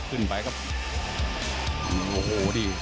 ขึ้นไปครับโอ้โหดิ